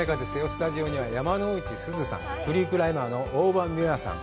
スタジオには、山之内すずさん、フリークライマーの大場美和さん。